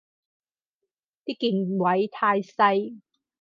啲鍵位太細